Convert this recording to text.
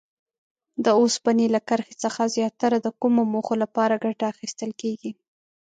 د اوسپنې له کرښې څخه زیاتره د کومو موخو لپاره ګټه اخیستل کیږي؟